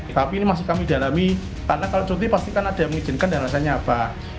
tapi ini masih kami dalami karena kalau cuti pasti kan ada yang mengizinkan dan rasanya apa